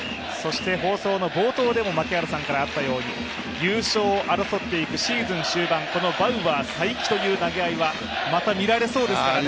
放送の冒頭でも槙原さんからあったように、優勝を争っていくシーズン終盤、バウアー、才木の投げ合いはまた見られそうですからね。